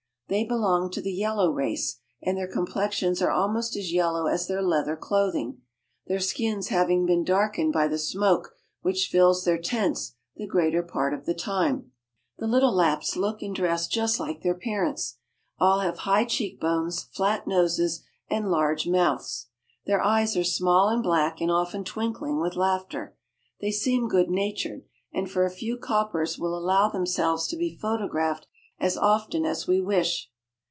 They belong to the yellow race, and their complexions are almost as yellow as their leather cloth ing, their skins having been darkened by the smoke which fills their tents the greater part of the time. 170 SCANDINAVIA. The little Lapps look and dress just like their parents. All have high cheek bones, flat noses, and large mouths. Their eyes are small and black, and often twinkling with laughter. They seem good natured, and foi a few cop pers will allow themselves to be photographed as often as we wish.